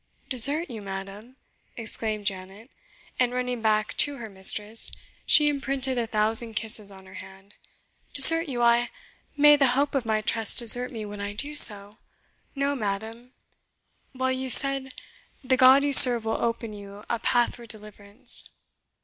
"Desert you, madam!" exclaimed Janet; and running back to her mistress, she imprinted a thousand kisses on her hand "desert you I may the Hope of my trust desert me when I do so! No, madam; well you said the God you serve will open you a path for deliverance.